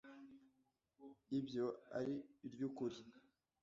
Ibyo ari iry ukuri